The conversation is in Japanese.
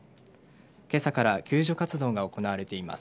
けさから救助活動が行われています。